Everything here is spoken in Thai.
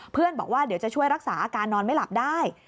บอกว่าเดี๋ยวจะช่วยรักษาอาการนอนไม่หลับได้